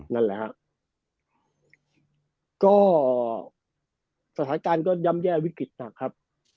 นั่นแหละสถาตาการก็ย่ำแย่วิกฤตินะครับ